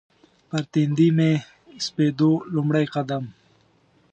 پر تندي مې سپېدو لومړی قدم